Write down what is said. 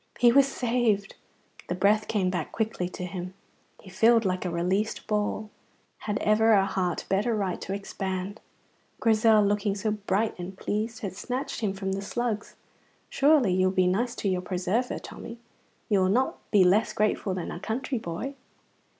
He was saved. The breath came back quickly to him. He filled like a released ball. Had ever a heart better right to expand? Grizel, looking so bright and pleased, had snatched him from the Slugs. Surely you will be nice to your preserver, Tommy. You will not be less grateful than a country boy?